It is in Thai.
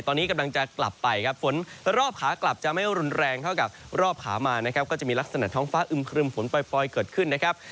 ตอนนี้กำลังจะกลับไปครับฝนรอบขากลับจะไม่รุนแรงเท่ากับรอบขามานะครับก็จะมีลักษณะท้องฟ้าอึมครึมฝนปล่อยเกิดขึ้นนะครับ